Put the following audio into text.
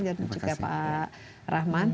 dan juga pak rahman